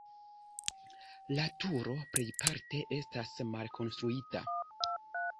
La turo plejparte estas malkonstruita.